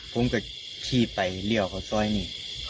ผมก็ขี่ไปเลี่ยวเขาซอยนี้